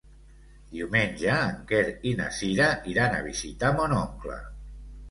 Diumenge en Quer i na Cira iran a visitar mon oncle.